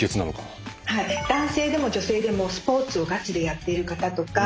男性でも女性でもスポーツをガチでやっている方とか。